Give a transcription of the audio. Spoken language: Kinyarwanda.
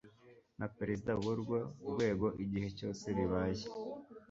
na Perezida w urwo rwego igihe cyose bibaye